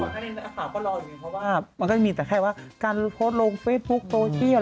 นักข่าวก็รออยู่เพราะว่ามันก็จะมีแต่แค่ว่าการโพสต์ลงเฟซบุ๊คโซเชียล